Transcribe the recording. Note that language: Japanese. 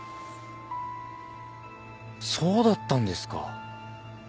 そうだったんですか。